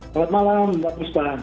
selamat malam enggak harus tanya